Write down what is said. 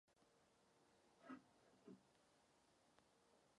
Mike odejde do kuchyně a v přímém přenosu začne vařit.